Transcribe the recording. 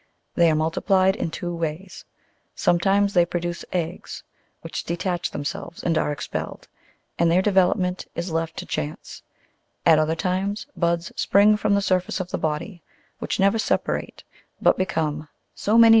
They are multiplied in two ways : sometimes they produce eggs, which detach themselves, and are expelled, and their development is left to chance; at other times, buds spring from the surface of the body, which never separate, but become so many new Fig.